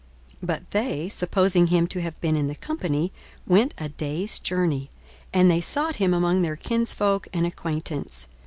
42:002:044 But they, supposing him to have been in the company, went a day's journey; and they sought him among their kinsfolk and acquaintance.